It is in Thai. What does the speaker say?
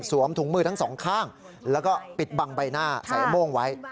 ถุงมือทั้งสองข้างแล้วก็ปิดบังใบหน้าใส่โม่งไว้